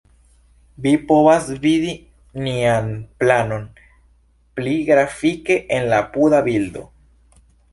Vi povas vidi nian planon pli grafike en la apuda bildo.